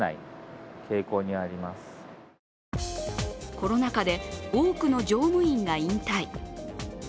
コロナ禍で多くの乗務員が引退。